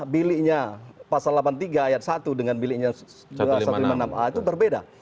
biliknya pasal delapan puluh tiga ayat satu dengan biliknya dua satu ratus lima puluh enam a itu berbeda